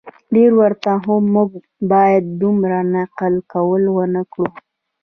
ډیر ورته خو موږ باید دومره نقل قول ونه کړو